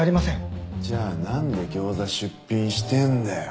じゃあなんで餃子出品してんだよ。